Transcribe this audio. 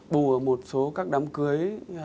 bù ở một số các đám cưới